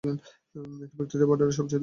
এটা ভিক্টোরিয়ান বর্ডারের সবচেয়ে দক্ষিণে।